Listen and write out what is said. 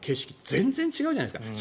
全然違うじゃないですか。